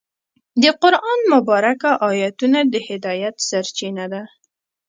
د قرآن مبارکه آیتونه د هدایت سرچینه دي.